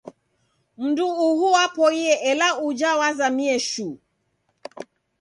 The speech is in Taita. Mundu uhu wapoie ela uja wazamie shuu